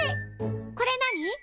これ何？